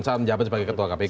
saat menjawab sebagai ketua kpk